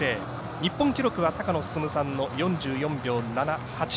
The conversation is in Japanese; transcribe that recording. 日本記録は高野進さんの４４秒７８。